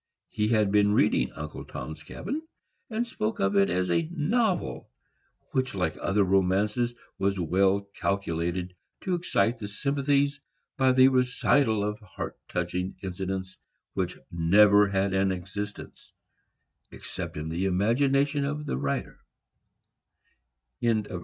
He had been reading Uncle Tom's Cabin, and spoke of it as a novel, which, like other romances, was well calculated to excite the sympathies, by the recital of heart touching incidents which never had an existence, except in the imagination of the writer."